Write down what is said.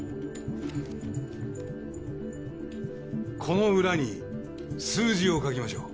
この裏に数字を書きましょう。